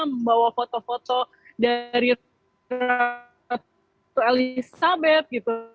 membawa foto foto dari ratu elizabeth